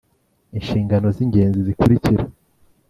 inshingano z ingenzi zikurikira